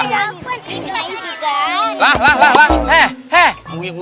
ini mas rikiti pegang